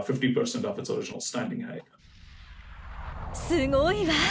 すごいわ。